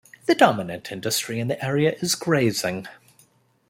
The dominant industry in the area is grazing.